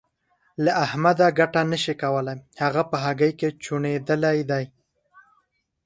له احمده ګټه نه شې کولای؛ هغه په هګۍ کې چوڼېدلی دی.